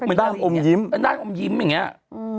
เหมือนด้ามอมยิ้มด้ามอมยิ้มอย่างเงี้ยอืม